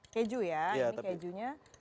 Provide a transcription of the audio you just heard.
keju ya ini kejunya